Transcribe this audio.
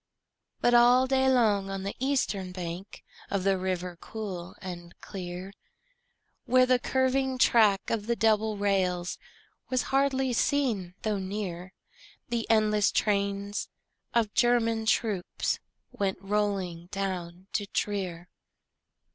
But all day long on the eastern bank Of the river cool and clear, Where the curving track of the double rails Was hardly seen though near, The endless trains of German troops Went rolling down to Trier.